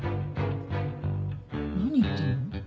何言ってるの？